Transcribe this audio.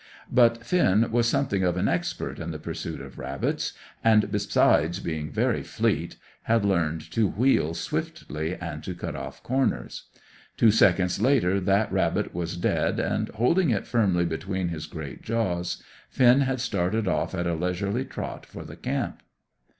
But Finn was something of an expert in the pursuit of rabbits and, besides being very fleet, had learned to wheel swiftly, and to cut off corners. Two seconds later that rabbit was dead and, holding it firmly between his great jaws, Finn had started off at a leisurely trot for the camp.